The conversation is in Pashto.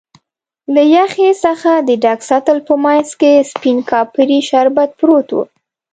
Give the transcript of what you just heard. له یخی څخه د ډک سطل په مینځ کې سپین کاپري شربت پروت و.